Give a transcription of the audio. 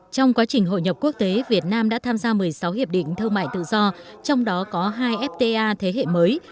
trong quá trình hội nhập quốc tế việt nam đã tham gia một mươi sáu hiệp định thương mại tự do trong đó có hai fta thế hệ mới